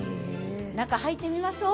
中に入ってみましょう。